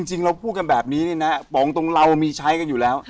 จริงเราพูดกันแบบนี้เนี่ยนะบอกตรงเรามีใช้กันอยู่แล้ว